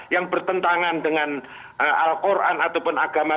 yang bertentangan dengan al quran ataupun agama